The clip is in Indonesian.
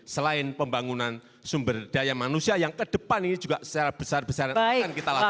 selain pembangunan sumber daya manusia yang kedepan ini juga secara besar besaran akan kita lakukan